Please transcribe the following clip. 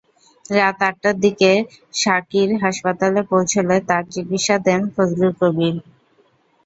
রাত আটটার দিকে সাকির হাসপাতালে পৌঁছলে তাঁর চিকিৎসা দেন ফজলুল কবির।